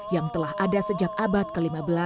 yang telah ada sejak abad ke lima belas